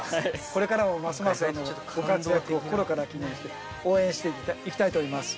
これからもますますのご活躍を心から祈念して、応援していきたいと思います。